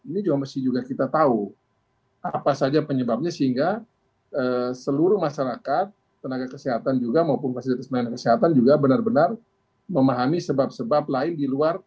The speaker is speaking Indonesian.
ini juga mesti juga kita tahu apa saja penyebabnya sehingga seluruh masyarakat tenaga kesehatan juga maupun fasilitas pelayanan kesehatan juga benar benar memahami sebab sebab lain di luar